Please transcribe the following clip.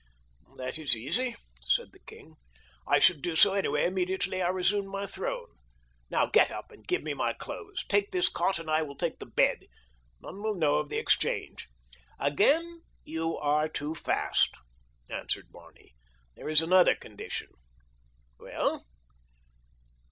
"That is easy," said the king. "I should do so anyway immediately I resumed my throne. Now get up and give me my clothes. Take this cot and I will take the bed. None will know of the exchange." "Again you are too fast," answered Barney. "There is another condition." "Well?"